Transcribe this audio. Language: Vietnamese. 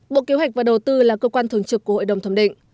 bộ kế hoạch và đầu tư là cơ quan thường trực của hội đồng thẩm định